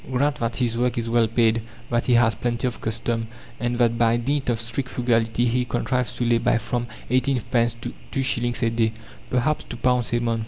Grant that his work is well paid, that he has plenty of custom, and that by dint of strict frugality he contrives to lay by from eighteen pence to two shillings a day, perhaps two pounds a month.